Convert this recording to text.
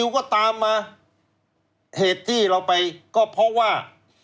ก็ตามมาเหตุที่เราไปก็เพราะว่า